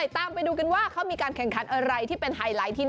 โอเคโอเคตามไปดูกันว่าเขามีการแข่งขันอะไรที่เป็นไฮไลท์ที่น่าสนใจกันค่ะ